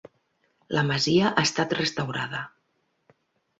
La masia ha estat restaurada.